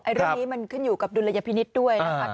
เรื่องนี้มันขึ้นอยู่กับดุลยพินิษฐ์ด้วยนะครับ